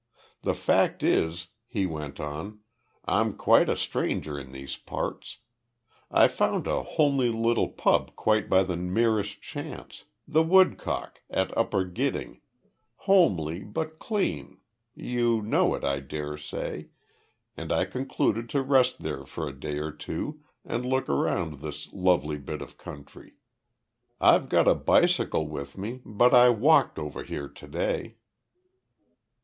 The fact is," he went on, "I'm quite a stranger in these parts, I found a homely little pub quite by the merest chance, The Woodcock, at Upper Gidding, homely but clean you know it, I dare say and I concluded to rest there for a day or two, and look around this lovely bit of country. I've got a bicycle with me, but I walked over here to day."